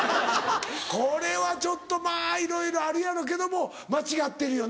これはちょっとまぁいろいろあるやろうけども間違ってるよな